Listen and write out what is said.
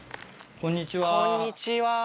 こんにちは。